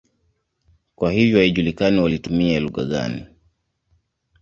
Kwa hiyo haijulikani walitumia lugha gani.